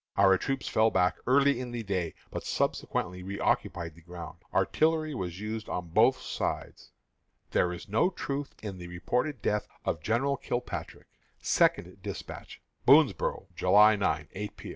Our troops fell back early in the day, but subsequently reoccupied the ground. Artillery was used on both sides. "There is no truth in the reported death of General Kilpatrick." (SECOND DESPATCH.) "Boonsboro', July 9, 8 P.